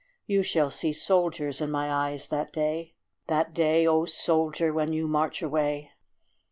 You shall see soldiers in my eyes that day That day, O soldier, when you march away.